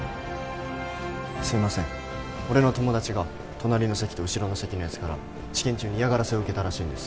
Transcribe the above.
すいません俺の友達が隣の席と後ろの席のやつから試験中に嫌がらせを受けたらしいんです